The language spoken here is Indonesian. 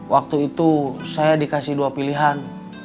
waktu itu saya dikasih dua pilihan